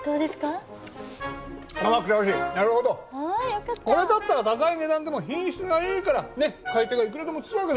なるほどこれだったら高い値段でも品質がいいからね買い手がいくらでもつくわけだ。